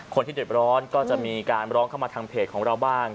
คนที่เดือดร้อนก็จะมีการร้องเข้ามาทางเพจของเราบ้าง